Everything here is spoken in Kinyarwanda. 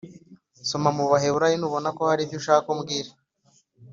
Soma mu Baheburayo Nubona ko hari ibyo ushaka umbwire